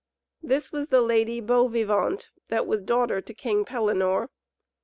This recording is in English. This was the Lady Beauvivante, that was daughter to King Pellinore.